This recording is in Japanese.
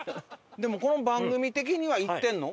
でもこの番組的には行ってるの？